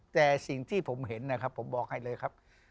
แต่สิ่งที่ผมเห็นนะครับผมบอกให้เลยครับ